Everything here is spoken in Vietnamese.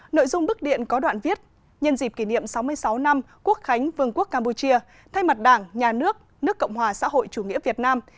nội dung bức điện có đoạn viết nhân dịp kỷ niệm sáu mươi sáu năm quốc khánh vương quốc campuchia thay mặt đảng nhà nước nước cộng hòa xã hội chủ nghĩa việt nam